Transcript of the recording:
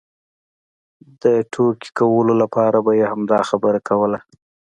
د ټوکې کولو لپاره به یې همدا خبره کوله.